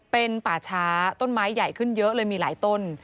เป็นป่าช้าต้นไม้ใหญ่ขึ้นเยอะเลยมีหลายต้น